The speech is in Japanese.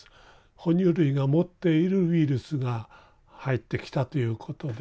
哺乳類が持っているウイルスが入ってきたということで。